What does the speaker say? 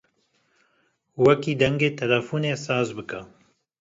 Wekî dengê telefonê saz bike.